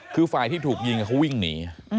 คือฝ่ายที่ถูกยิงเขาวิ่งหนี